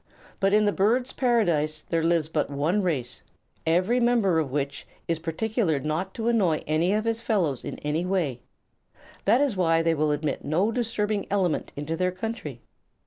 But in the Birds' Paradise there lives but one race, every member of which is quite particular not to annoy any of his fellows in any way. That is why they will admit no disturbing element into their country.